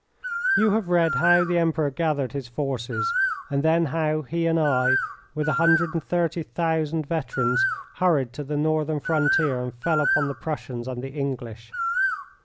You have read how the Emperor gathered his forces, and then how he and I, with a hundred and thirty thousand veterans, hurried to the northern frontier and fell upon the Prussians and the English.